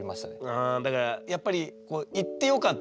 あだからやっぱり行ってよかったよね。